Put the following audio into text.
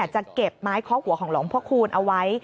จะเก็บไม้เคาะหัวของหลวงพ่อคูณเอาไว้